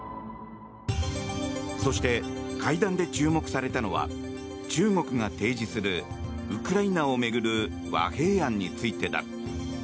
そして会談で注目されたのは中国が提示するウクライナを巡る和平案についてだ。